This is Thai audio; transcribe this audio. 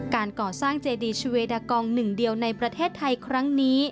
การก่อสร้างเจดีชเวดากองหนึ่งเดียวในประเทศไทยครั้งนี้